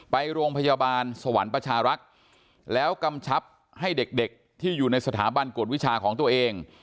ไปโรงพยาบาลสวรรค์ประชารักษ์แล้วกำชับให้เด็กที่อยู่ในสถาบันกวดวิชาของตัวเอง